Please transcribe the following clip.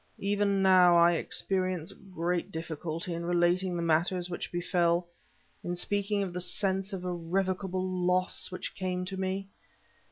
Even now I experience great difficulty in relating the matters which befell, in speaking of the sense of irrevocable loss which came to me.